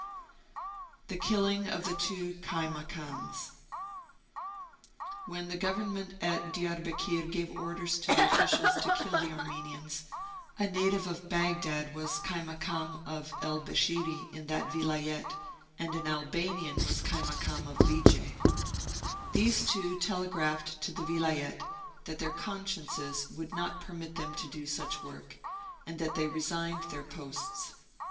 THE KILLING OF THE Two KAIMAKAMS. When the Government at Diarbekir gave orders to the officials to kill the Armenians, a native of Baghdad was Kaimakam of El Beshiri, in that Vilayet, and an Albanian was Kaimakam of Lijeh. These two 48 Martyred Armenia telegraphed to the Vilayet that their consciences would not permit them to do such work, and that they resigned their posts.